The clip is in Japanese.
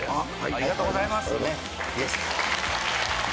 ありがとうございます。